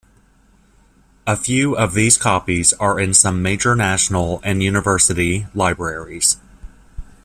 A few of these copies are in some major national and university libraries.